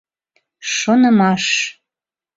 ШОНЫМАШ